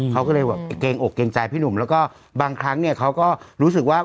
เขาก็เลยแบบเกรงอกเกรงใจพี่หนุ่มแล้วก็บางครั้งเนี่ยเขาก็รู้สึกว่า